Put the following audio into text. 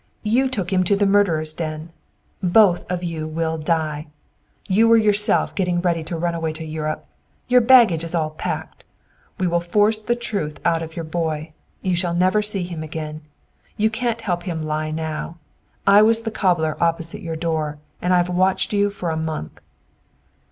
You took him to the murderer's den! BOTH OF YOU WILL DIE! You were yourself getting ready to run away to Europe! Your baggage is all packed! We will force the truth out of your boy; you shall never see him. You can't help him lie now! I was the cobbler opposite your door, and I've watched you for a month!"